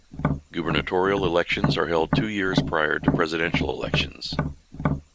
Gubernatorial elections are held two years prior to presidential elections.